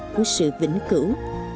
của sự vĩnh cửu